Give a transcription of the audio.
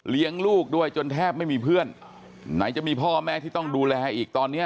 ลูกด้วยจนแทบไม่มีเพื่อนไหนจะมีพ่อแม่ที่ต้องดูแลอีกตอนเนี้ย